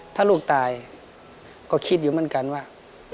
ถ้าลูกตายก็คิดอยู่เหมือนกันว่า